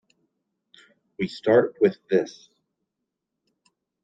We start with this.